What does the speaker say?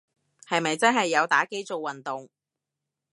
係咪真係有打機做運動